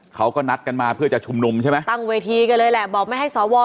เขาก็นัดกันมาเพื่อจะชุมนุมใช่ไหมตั้งเวทีกันเลยแหละบอกไม่ให้สว